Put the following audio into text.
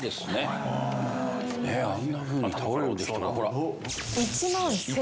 あんなふうに倒れるんだ人が。